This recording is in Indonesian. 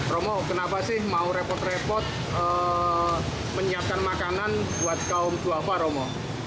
romo kenapa sih mau repot repot menyiapkan makanan buat kaum duafa romo